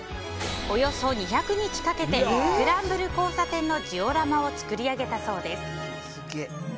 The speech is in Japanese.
およそ２００日かけてスクランブル交差点のジオラマを作り上げたそうです。